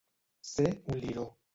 Ser un liró.